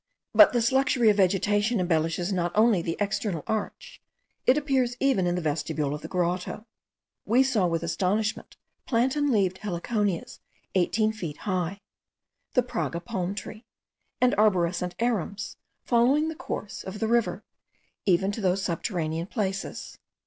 But this luxury of vegetation embellishes not only the external arch, it appears even in the vestibule of the grotto. We saw with astonishment plantain leaved heliconias eighteen feet high, the praga palm tree, and arborescent arums, following the course of the river, even to those subterranean places.